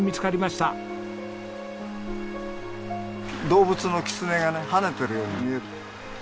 動物のキツネがね跳ねてるように見える。